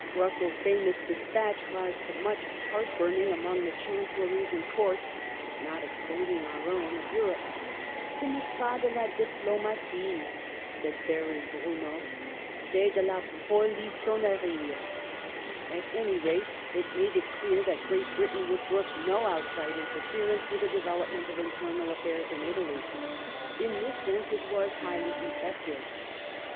^ Russell's famous despatch caused much heart burning among the Chancelleries and Courts (not excluding our own) of Europe. *'Ce n'est pas de la diplomatie," said Baron Brunnow, "c'est de la polissonnerie." At any rate it made it clear that Great Britain would brook no out / side interference with the development of internal affairs in Italy. In this sense it was entirely effective.